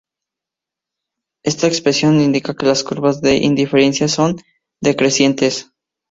Esta expresión indica que las curvas de indiferencia son decrecientes.